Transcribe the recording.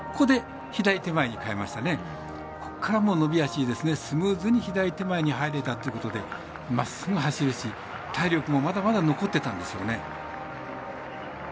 左手前に変えてからスムーズに左手前に入れたということでまっすぐ走るし、体力もまだまだ残ってたんですよね。